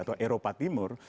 atau eropa timur